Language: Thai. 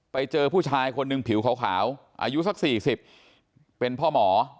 ไปเจอผู้ชายคนหนึ่งผิวขาวอายุสัก๔๐เป็นพ่อหมอ